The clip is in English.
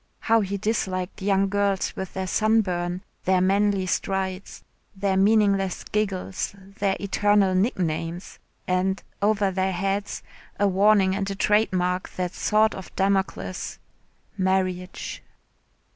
How he disliked young girls with their sunburn, their manly strides, their meaningless giggles, their eternal nicknames! And, over their heads, a warning and a trade mark, that sword of Damocles marriage.